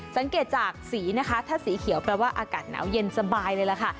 สังเกตจากสีนะคะถ้าสีเขียวแปลว่าอากาศหนาวเย็นสบายเลยล่ะค่ะ